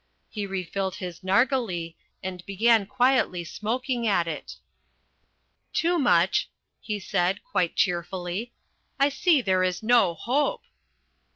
He refilled his narghileh and began quietly smoking at it. "Toomuch," he said, quite cheerfully, "I see there is no hope."